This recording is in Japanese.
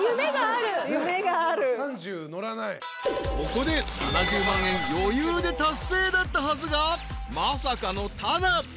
［ここで７０万円余裕で達成だったはずがまさかのタダ。